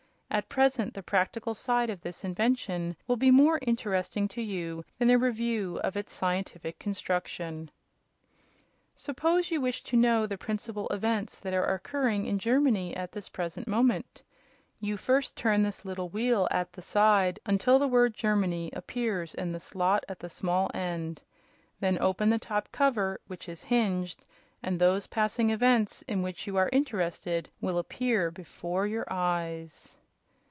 At present the practical side of this invention will be more interesting to you than a review of its scientific construction. "Suppose you wish to know the principal events that are occurring in Germany at the present moment. You first turn this little wheel at the side until the word 'Germany' appears in the slot at the small end. Then open the top cover, which is hinged, and those passing events in which you are interested will appear before your eyes."